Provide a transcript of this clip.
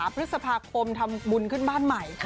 พฤษภาคมทำบุญขึ้นบ้านใหม่